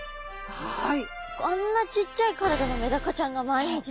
はい。